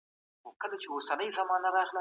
که تاسي بېدېدلي سواست نو ما ته ووایئ.